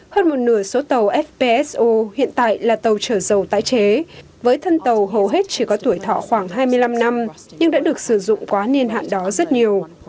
hơn một nửa số tàu fpso hiện tại là tàu trở dầu tái chế với thân tàu hầu hết chỉ có tuổi thọ khoảng hai mươi năm năm nhưng đã được sử dụng quá niên hạn đó rất nhiều